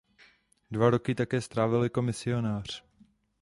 Dva roky také strávil jako misionář.